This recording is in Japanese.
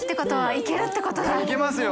いけますよ。